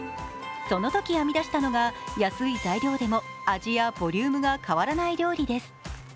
そのとき編み出したのが安い材料でも味やボリュームが変わらない料理です。